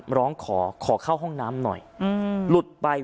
พระเจ้าอาวาสกันหน่อยนะครับ